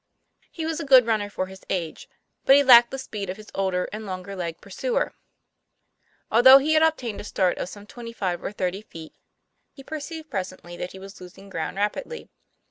He was a good runner for his age; but he lacked the speed of his older and longer legged pursuer. Although he had obtained a start of some twenty five or thirty feet, he perceived presently that he was los ing ground rapidly.